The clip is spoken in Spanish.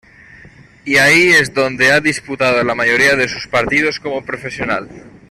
Y ahí es donde ha disputado la mayoría de sus partidos como profesional.